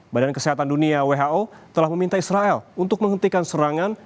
badan kesehatan dunia who telah meminta israel untuk menghentikan serangan